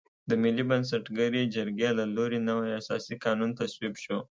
د ملي بنسټګرې جرګې له لوري نوی اساسي قانون تصویب شو.